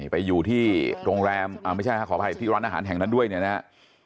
ไปอยู่ที่โรงแรมไม่ใช่ขออภัยที่ร้านอาหารแห่งนั้นด้วยเนี่ยนะฮะ